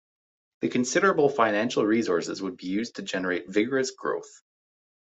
The considerable financial resources would be used to generate vigorous growth.